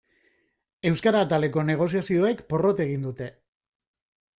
Euskara ataleko negoziazioek porrot egin dute.